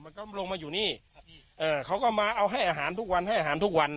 ต้องลงมาอยู่นี่ครับพี่เอ่อเขาก็มาเอาให้อาหารทุกวันให้อาหารทุกวัน